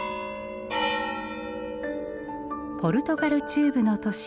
ポルトガル中部の都市